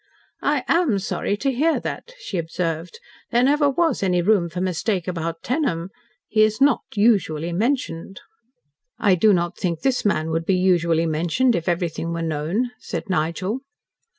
"I am sorry to hear that," she observed. "There never was any room for mistake about Tenham. He is not usually mentioned." "I do not think this man would be usually mentioned, if everything were known," said Nigel.